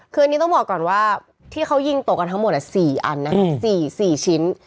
คืออันนี้ต้องบอกก่อนว่าที่เขายิงตกกันทั้งหมด๔อันนะคะ๔ชิ้น